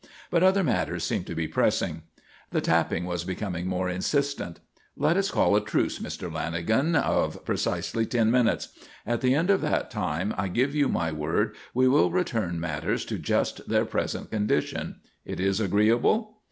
But other matters seem to be pressing." The tapping was becoming more insistent. "Let us call a truce, Mr. Lanagan, of precisely ten minutes. At the end of that time I give you my word we will return matters to just their present condition. It is agreeable?"